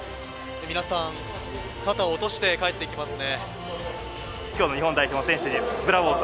皆さん肩を落として帰っていきますね。